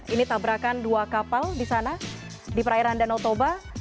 ini tabrakan dua kapal di sana di perairan danau toba